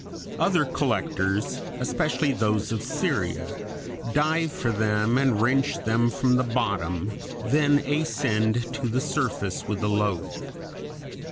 Other collectors, especially those of Syria, dive for them and wrench them from the bottom, then ascend to the surface with the load.